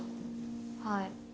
はい。